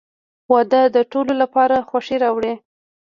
• واده د ټولو لپاره خوښي راوړي.